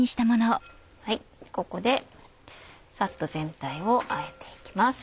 ここでサッと全体をあえて行きます。